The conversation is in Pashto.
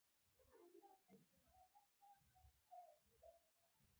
په ټولنه کي نظم اساسي نقش لري.